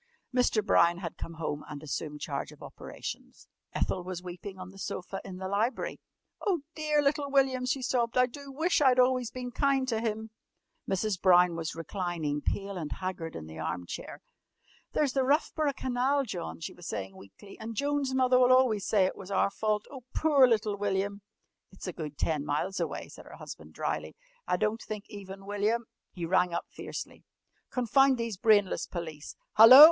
Mr. Brown had come home and assumed charge of operations. Ethel was weeping on the sofa in the library. "Oh, dear little William!" she sobbed. "I do wish I'd always been kind to him!" Mrs. Brown was reclining, pale and haggard, in the arm chair. "There's the Roughborough Canal, John!" she was saying weakly. "And Joan's mother will always say it was our fault. Oh, poor little William!" "It's a good ten miles away," said her husband drily. "I don't think even William " He rang up fiercely. "Confound these brainless police! Hallo!